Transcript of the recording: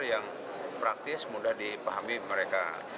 yang praktis mudah dipahami mereka